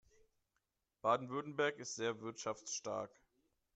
Baden-Württemberg ist sehr wirtschaftsstark.